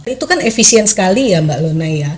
itu kan efisien sekali ya mbak lona ya